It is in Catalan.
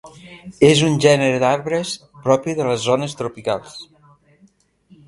És un gènere d'arbres propi de les zones tropicals.